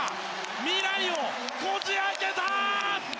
未来をこじ開けた！